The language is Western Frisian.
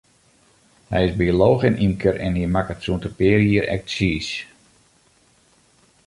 Hy is biolooch en ymker, en hy makket sûnt in pear jier ek tsiis.